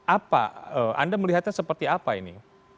apa anda melihatnya seperti apa ini